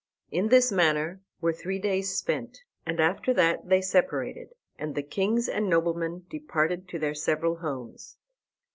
In this manner were three days spent, and after that they separated, and the kings and noblemen departed to their several homes.